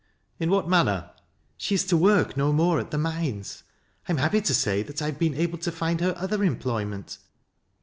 " In what manner ?" "She is to work no more at the mines. I am happy to 6ay that I have been able to find her other employment.'